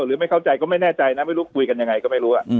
หรือไม่เข้าใจก็ไม่แน่ใจนะไม่รู้คุยกันยังไงก็ไม่รู้